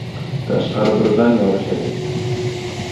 Tashqari birdan yorishadi.